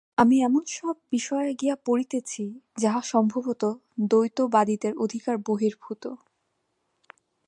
আমি এমন সব বিষয়ে গিয়া পড়িতেছি, যাহা সম্ভবত দ্বৈতবাদীদের অধিকার-বহির্ভূত।